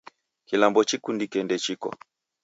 Kilambo kuchikunde ndechiko